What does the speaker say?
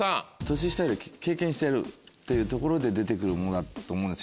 年下より経験してるっていうところで出て来るものだと思うんです